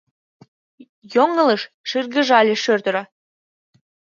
— Йоҥылыш! — шыргыжале шӧр-тӧра.